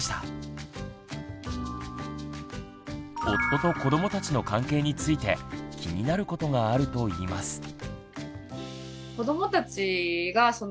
夫と子どもたちの関係について気になることがあるといいます。